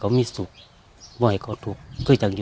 เพราะที่ตอบให้เขารอที่บ้นเพื่อทอมตี